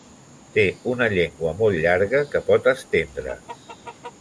Té una llengua molt llarga que pot estendre.